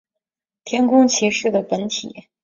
天空骑士的本体。